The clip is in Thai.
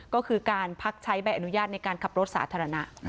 ก็คือการพักใช้ใบอนุญาตในการขับรถสาธารณะ